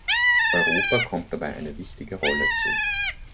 Europa kommt dabei eine wichtige Rolle zu.